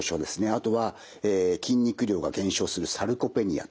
あとは筋肉量が減少するサルコペニアとか。